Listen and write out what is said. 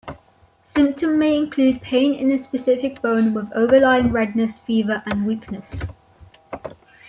Symptom may include pain in a specific bone with overlying redness, fever, and weakness.